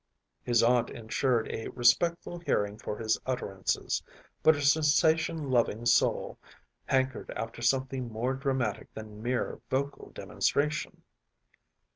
His aunt ensured a respectful hearing for his utterances, but her sensation loving soul hankered after something more dramatic than mere vocal demonstration.